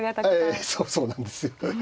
そうなんですよ。